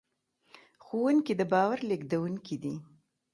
ښوونکي د باور لېږدونکي دي.